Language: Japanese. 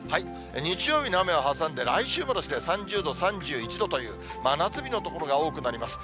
日曜日の雨を挟んで来週も３０度、３１度という真夏日の所が多くなります。